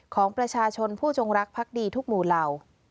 ของประชาชนผู้จงรักพักดีทุกหมู่เหล่า